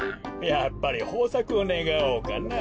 やっぱりほうさくをねがおうかな。